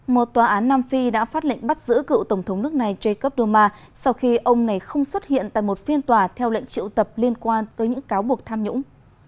một tòa án nam phi đã phát lệnh bắt giữ cựu tổng thống nước này jacob duma sau khi ông này không xuất hiện tại một phiên tòa theo lệnh triệu tập liên quan tới những cáo buộc tham nhũng